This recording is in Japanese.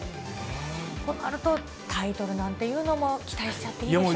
となると、タイトルなんていうのも期待しちゃっていいんでしょうか。